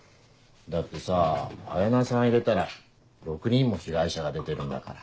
だってさ彩菜さん入れたら６人も被害者が出てるんだから。